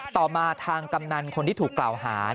ต่อมาทางกำนันคนที่ถูกกล่าวหา